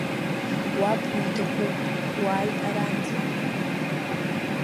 Уаб уиҭахуп, уааи аранӡа!